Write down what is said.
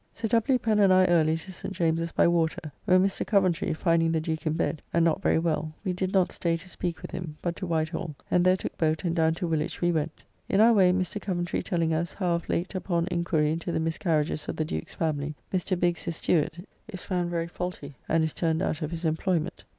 Sir W. Pen and I early to St. James's by water, where Mr. Coventry, finding the Duke in bed, and not very well, we did not stay to speak with him, but to White Hall, and there took boat and down to Woolwich we went. In our way Mr. Coventry telling us how of late upon enquiry into the miscarriages of the Duke's family, Mr. Biggs, his steward, is found very faulty, and is turned out of his employment.